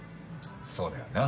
そうだよな。